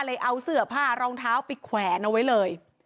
เอาเสื้อผ้ารองเท้าไปแขวนเอาไว้เลย